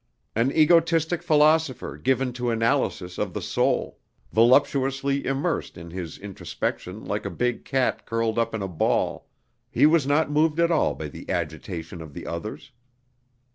An egotistic philosopher given to analysis of the soul, voluptuously immersed in his introspection like a big cat curled up in a ball, he was not moved at all by the agitation of the others.